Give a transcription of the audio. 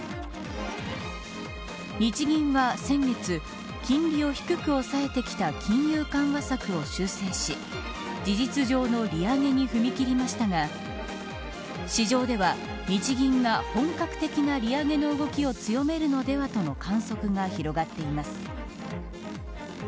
日銀は先月金利を低く抑えてきた金融緩和策を修正し事実上の利上げに踏み切りましたが市場では日銀が本格的な利上げの動きを強めるのではとの観測が広がっています。